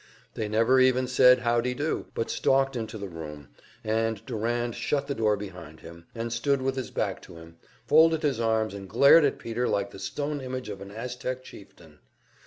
They never even said, "Howdy do," but stalked into the room, and Durand shut the door behind him, and stood with his back to it, folded his arms and glared at Peter like the stone image of an Aztec chieftain.